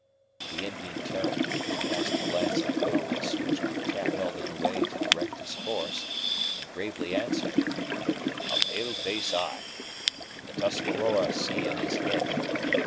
The Indian turned, cast a glance at the compass, which Cap held in a way to direct his course, and gravely answered, "A pale face eye. The Tuscarora see in his head.